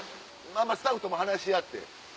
スタッフとも話し合って。